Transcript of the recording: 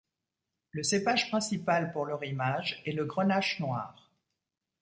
Le cépage principal pour le rimage est le grenache noir.